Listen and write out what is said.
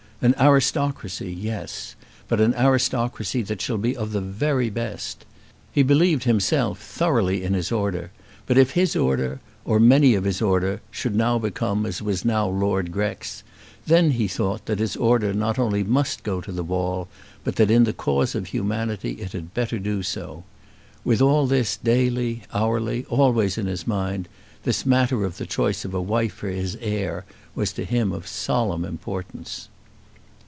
An aristocracy; yes; but an aristocracy that shall be of the very best! He believed himself thoroughly in his order; but if his order, or many of his order, should become as was now Lord Grex, then, he thought, that his order not only must go to the wall but that, in the cause of humanity, it had better do so. With all this daily, hourly, always in his mind, this matter of the choice of a wife for his heir was to him of solemn importance.